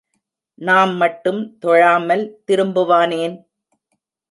நாம் மட்டும் தொழாமல் திரும்புவானேன்?